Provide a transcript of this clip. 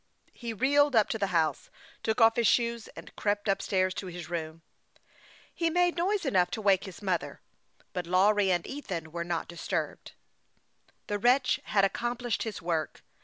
He reeled up to the house, took off his shoes, and crept up stairs to his room. He made noise enough to wake his mother ; but Lawry and Ethan were not disturbed, though Ben's bed was hi the room with them. The wretch had accomplished his work.